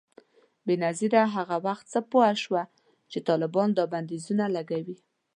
بېنظیره هغه وخت څه پوه شوه چي طالبان دا بندیزونه لګوي؟